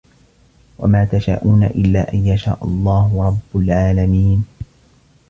وَما تَشاءونَ إِلّا أَن يَشاءَ اللَّهُ رَبُّ العالَمينَ